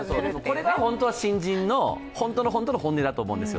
これが本当は新人の本当の本当の本音だと思うんですよ。